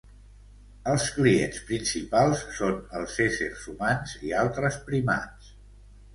Els clients principals són els éssers humans i altres primats.